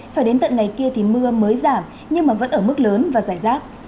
phải đến tận ngày kia thì mưa mới giảm nhưng vẫn ở mức lớn và giải rác